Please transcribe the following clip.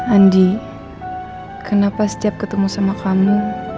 andi kenapa setiap ketemu sama kamu